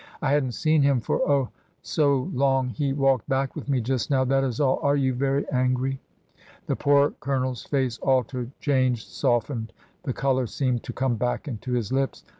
I hadn't seen him for, oh, so long; he walked back with me just now, that is all! Are you very angry?" The poor Colonel's face altered, changed, softened, the colour seemed to come back into his lips.